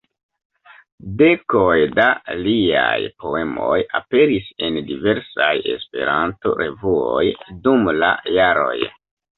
Dekoj da liaj poemoj aperis en diversaj Esperanto-revuoj dum la jaroj.